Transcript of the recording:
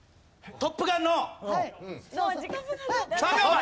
『トップガン』！